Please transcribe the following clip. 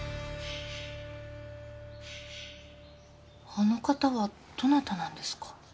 あの方はどなたなんですか？